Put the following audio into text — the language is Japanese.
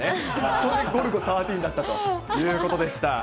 当然ゴルゴ１３だったということでした。